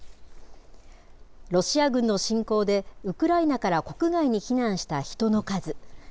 ロシア軍の侵攻で、ウクライナから国外に避難した人の数。